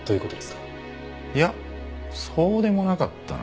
いやそうでもなかったな。